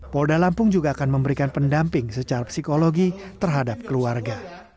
polda lampung juga akan memberikan pendamping secara psikologi terhadap keluarga